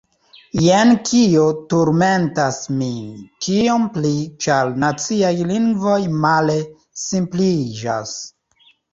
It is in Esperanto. Jen kio turmentas min, tiom pli, ĉar naciaj lingvoj male – simpliĝas.